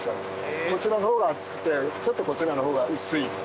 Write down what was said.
こっちの方が厚くてちょっとこっちの方が薄い。